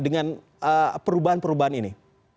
dengan perubahan perubahan ini